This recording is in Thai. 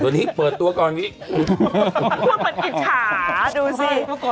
ต้องเปิดตัวก่อนกู่อีก